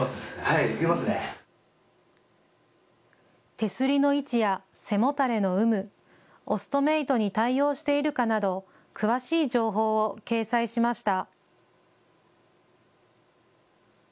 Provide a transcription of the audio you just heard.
手すりの位置や背もたれの有無、オストメイトに対応しているかなど詳しい情報を掲載しました。